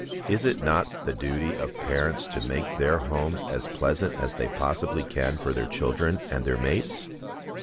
Is it not the duty of parents to make their homes as pleasant as they possibly can for their children and their mates?